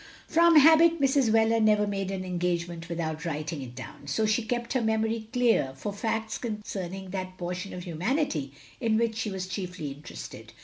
From habit Mrs. Wheler never made an engage ment without writing it down; so she kept her memory clear for facts concerning that portion of humanity in which she was chiefly interested.